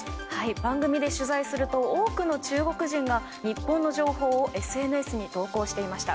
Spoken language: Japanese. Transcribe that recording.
番組で取材すると多くの中国人が日本の情報をＳＮＳに投稿していました。